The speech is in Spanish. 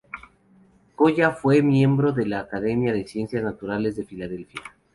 Colla fue miembro de la Academia de Ciencias Naturales de Filadelfia.